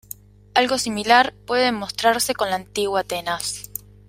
Algo similar puede demostrarse con la antigua Atenas.